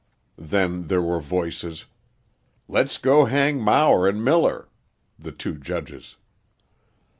Then there were voices: "Let's go hang Mower and Miller" the two judges.